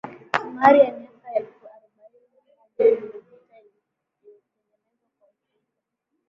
Zumari ya miaka elfu arobaini na moja iliyopita iliyotengenezwa kwa mfupa